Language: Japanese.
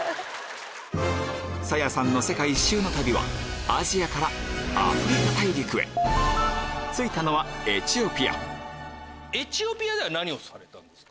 さやさんの世界一周の旅はアジアからアフリカ大陸へ着いたのはエチオピアでは何されたんです？